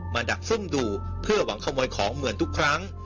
ดักซุ่มดูเพื่อหวังขโมยของเหมือนทุกครั้ง